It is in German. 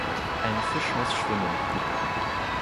Ein Fisch muss schwimmen.